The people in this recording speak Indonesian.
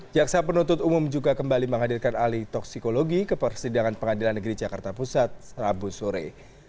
jaksa penuntut umum juga kembali menghadirkan ahli toksikologi ke persidangan pengadilan negeri jakarta pusat rabu sore